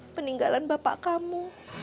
peninggalan bapak kamu